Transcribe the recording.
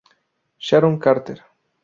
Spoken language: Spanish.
Sharon Carter.